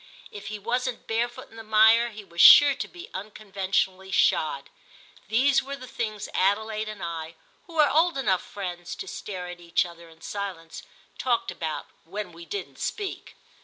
If he wasn't barefoot in the mire he was sure to be unconventionally shod. These were the things Adelaide and I, who were old enough friends to stare at each other in silence, talked about when we didn't speak.